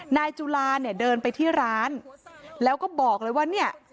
นายจุลาเนี่ยเดินไปที่ร้านแล้วก็บอกเลยว่าเนี่ย